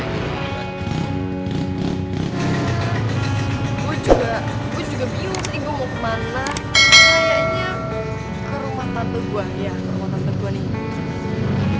ya ke rumah tante gue nih